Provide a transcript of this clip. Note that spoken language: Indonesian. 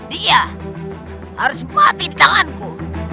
dia harus mati di tanganku